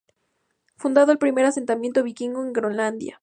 Fundó el primer asentamiento vikingo en Groenlandia.